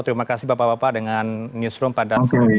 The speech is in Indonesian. terima kasih bapak bapak dengan newsroom pada saat ini